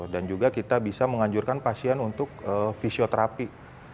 dan juga kita bisa menganjurkan pasien untuk fisioterapi